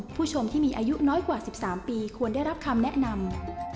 ผู้ชมที่มีอายุน้อยกว่า๑๓ปีควรได้รับคำแนะนำ